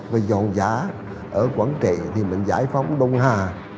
vì giòn giá ở quảng trị thì mình giải phóng đông hà